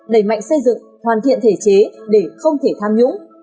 đẩy mạnh xây dựng hoàn thiện thể chế để không thể tham nhũng